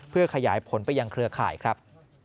เพื่อขยายผลไปยังเครือข่ายครับ